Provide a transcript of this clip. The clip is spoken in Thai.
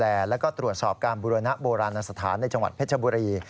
ว่าการดูแลและตรวจสอบการบรวณะโบราณอสถานในจังหวัดเพชรบุรี